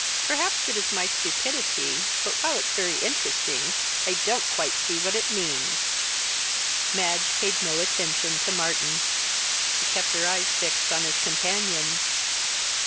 Perhaps it is my stupidity, but, while it's very interesting, I don't quite see what it means." Madge paid no attention to Martyn. She kept her eyes fixed on his companion.